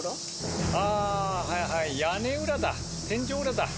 あー、はいはい、屋根裏だ、天井裏だ。